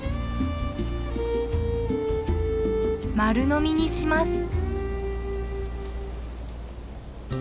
丸のみにします。